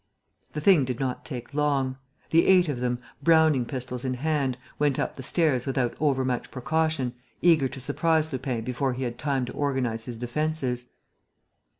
The thing did not take long. The eight of them, Browning pistols in hand, went up the stairs without overmuch precaution, eager to surprise Lupin before he had time to organize his defences.